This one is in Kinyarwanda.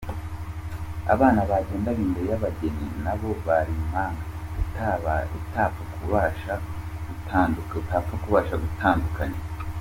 Abana bagendaga imbere y'abageni nabo bari impanga utapfa kubasha gutandukanya.